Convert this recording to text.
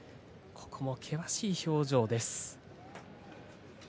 ここも険しい表情です。